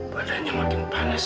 badannya makin panas